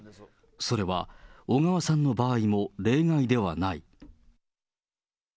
それは小川さんの場合も例外ではない。